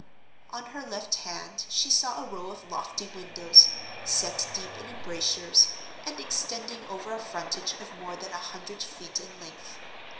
On her left hand she saw a row of lofty windows, set deep in embrasures, and extending over a frontage of more than a hundred feet in length.